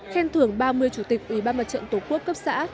khen thưởng ba mươi chủ tịch ủy ban mặt trận tổ quốc cấp xã